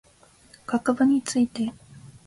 学部について